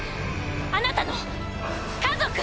あなたの家族！